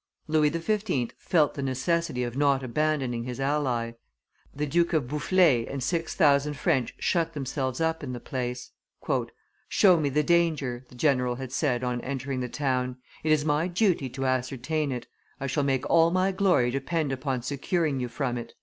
Louis XV. felt the necessity of not abandoning his ally; the Duke of Boufflers and six thousand French shut themselves up in the place. "Show me the danger," the general had said on entering the town; "it is my duty to ascertain it; I shall make all my glory depend upon securing you from it."